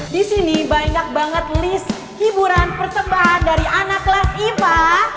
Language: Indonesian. di sini banyak banget list hiburan persembahan dari anak kelas ipa